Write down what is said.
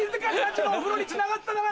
家のお風呂につながってただなんて！